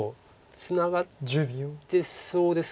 ツナがってそうです。